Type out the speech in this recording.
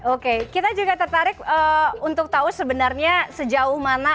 oke kita juga tertarik untuk tahu sebenarnya sejauh mana